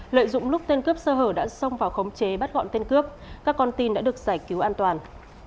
lợi dụng lúc tên cướp sơ hở đã xông vào khống chế bắt gọn tên cướp các con tin đã được giải cứu an toàn